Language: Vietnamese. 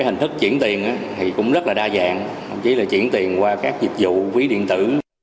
hình thức chuyển tiền cũng rất đa dạng chỉ là chuyển tiền qua các dịch vụ ví điện tử